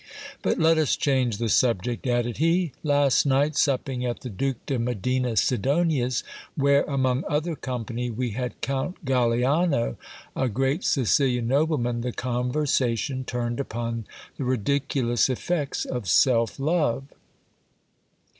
But let us change the subject, added he. Last night, supping at the Duke de Medina Sidonia's, where among other company we had Count Galiano, a great Sicilian nobleman, the conversation turned upon the ridiculous effects of self love.